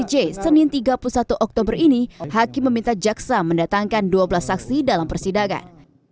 j senin tiga puluh satu oktober ini hakim meminta jaksa mendatangkan dua belas saksi dalam persidangan